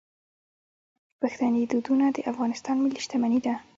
پښتني دودونه د افغانستان ملي شتمني ده.